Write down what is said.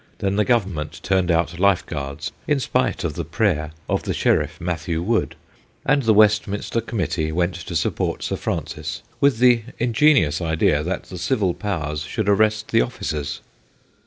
Then the Government turned out Life Guards, in spite of the prayer of the Sheriff Matthew Wood, and the Westminster Com mittee went to support Sir Francis with the ingenious idea that the civil powers should arrest the officers.